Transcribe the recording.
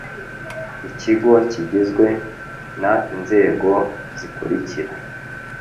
Ikigo kigizwe n inzego zikurikira